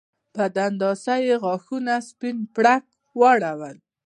په دنداسه یې غاښونه سپین پړق واړول